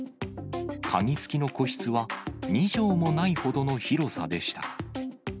鍵付きの個室は、２畳もないほどの広さでした。